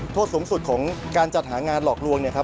โทษสูงสุดของการจัดหางานหลอกลวงเนี่ยครับ